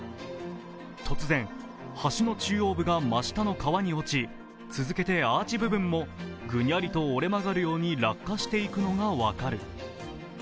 突然、橋の中央部が真下の川に落ち、続けてアーチ部分もふにゃりと折れ曲がるように落下していくのが分かる。